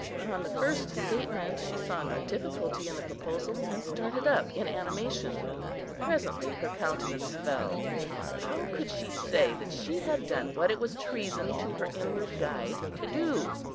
On the first statement she saw no difficulty in the proposal, and started up in animation. Presently her countenance fell; how could she say that she had done what it was treason to her inward Guide to do?